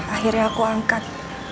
akhirnya aku angkat